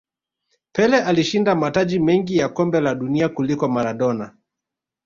pele ameshinda mataji mengi ya kombe la dunia kuliko maradona